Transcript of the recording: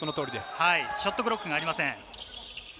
ショットクロックがありません。